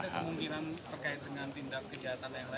ada kemungkinan terkait dengan tindak kejahatan yang lain